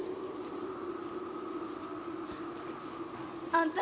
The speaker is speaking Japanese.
あんた。